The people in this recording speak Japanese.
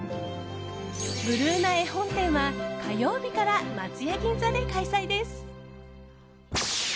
「ブルーナ絵本展」は火曜日から松屋銀座で開催です。